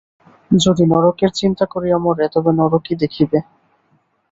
যদি নরকের চিন্তা করিয়া মরে, তবে নরকই দেখিবে।